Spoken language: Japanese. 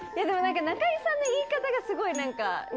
でも中居さんの言い方がすごいなんか。